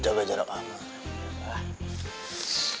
jangan jangan jangan pak abah